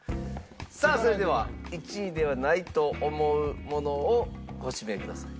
さあそれでは１位ではないと思うものをご指名ください。